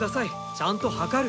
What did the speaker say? ちゃんと量る！